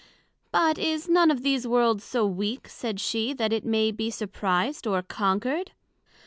But is none of these Worlds so weak, said she, that it may be surprized or conquered?